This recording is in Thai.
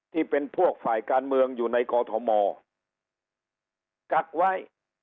ที่เป็นพวกฝ่ายการเมืองอยู่ในกอทมกักไว้